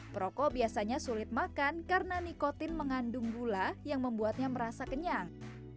perokok biasanya sulit makan karena nikotin mengandung gula yang membuatnya merasa kenyang